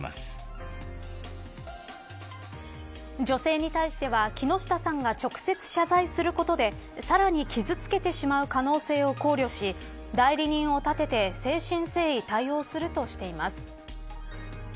女性に対しては木下さんが直接謝罪することでさらに傷付けてしまう可能性を考慮し代理人を立てて誠心誠意対応するとしています。